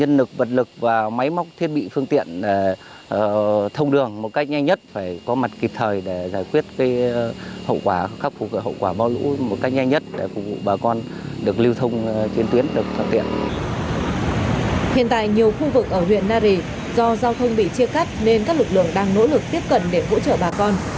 hiện tại nhiều khu vực ở huyện nari do giao thông bị chia cắt nên các lực lượng đang nỗ lực tiếp cận để hỗ trợ bà con